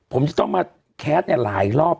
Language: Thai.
ผมจะต้องมาแคสเนี่ยหลายรอบ